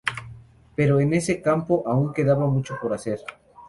Pero en este campo aún quedaba mucho por hacer.